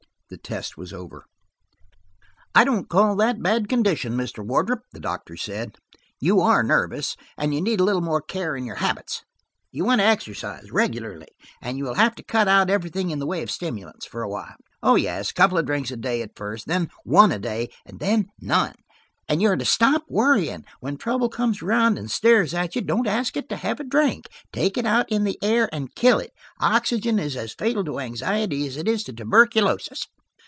The test was over. "I don't call that bad condition, Mr.–Wardrop," the doctor said. "You are nervous, and you need a little more care in your habits. You want to exercise, regularly, and you will have to cut out everything in the way of stimulants for a while. Oh, yes, a couple of drinks a day at first, then one a day, and then none. And you are to stop worrying–when trouble comes round, and stares at you, don't ask it to have a drink. Take it out in the air and kill it; oxygen is as fatal to anxiety as it is to tuberculosis."